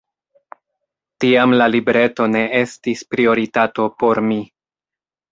Tiam la libreto ne estis prioritato por mi.